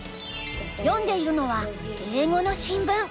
読んでいるのは英語の新聞。